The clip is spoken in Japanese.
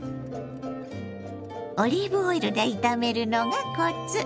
オリーブオイルで炒めるのがコツ。